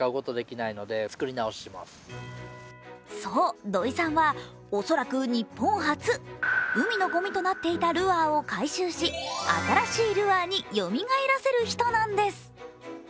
そう、土井さんは恐らく日本初海のごみとなっていたルアーを回収し新しいルアーによみがえらせる人なんです。